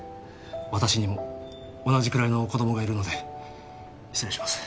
私にも同じくらいの子供がいるので失礼します